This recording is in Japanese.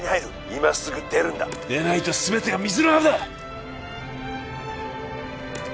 今すぐ出るんだ出ないと全てが水の泡だ！